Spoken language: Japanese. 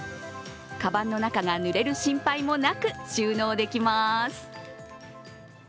かばんの中がぬれる心配もなく収納できます。